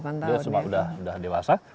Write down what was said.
tujuh puluh delapan tahun dia sudah dewasa